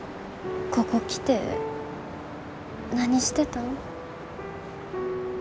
ここ来て何してたん？